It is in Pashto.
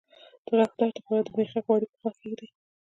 د غاښ درد لپاره د میخک غوړي په غاښ کیږدئ